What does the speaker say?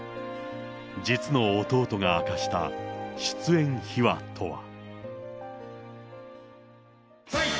実の弟が明かした出演秘話とは。